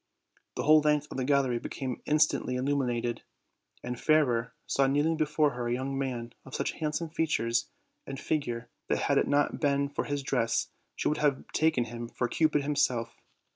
The whole length of the gallery became instantly illumi nated, and Fairer saw kneeling before her a young man of such handsome features and figure that had it not been for his dress she would have taken him for Cupid him self.